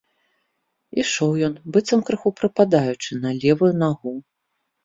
Ішоў ён, быццам крыху прыпадаючы на левую нагу.